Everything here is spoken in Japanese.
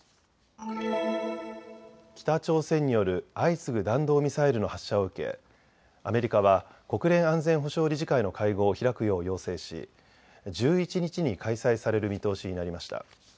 北朝鮮による相次ぐ弾道ミサイルの発射を受けアメリカは国連安全保障理事会の会合を開くよう要請し、１１日に開催される見通しになりました。